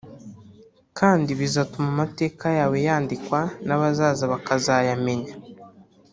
kandi bizatuma amateka yawe yandikwa n’abazaza bakazayamenya